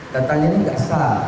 datangnya ini tidak sah